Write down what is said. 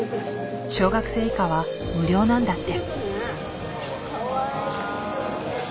小学生以下は無料なんだって。